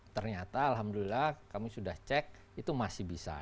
ternyata alhamdulillah kami sudah cek itu masih bisa